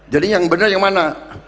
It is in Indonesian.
jadi yang benar yang mana